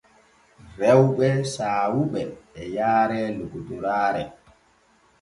Rewɓe saawuɓe e yaare lokotoraare.